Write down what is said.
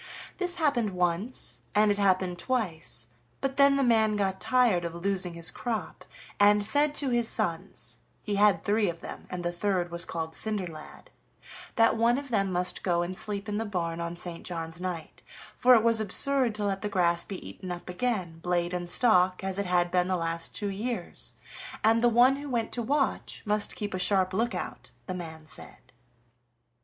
This happened once, and it happened twice, but then the man got tired of losing his crop, and said to his sons he had three of them, and the third was called Cinderlad that one of them must go and sleep in the barn on St. John's night, for it was absurd to let the grass be eaten up again, blade and stalk, as it had been the last two years, and the one who went to watch must keep a sharp look out, the man said.